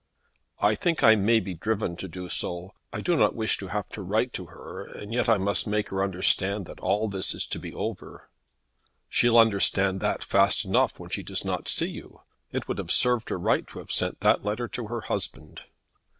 "I think I may be driven to do so. I do not wish to have to write to her, and yet I must make her understand that all this is to be over." "She'll understand that fast enough when she does not see you. It would have served her right to have sent that letter to her husband."